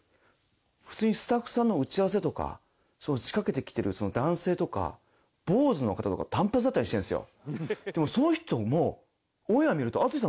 普通にスタッフさんの打ち合わせとか仕掛けてきているその男性とか坊主の方とか短髪だったりしてるんですよ。